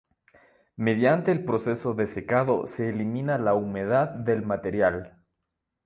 Mediante el proceso de secado se elimina la humedad del material.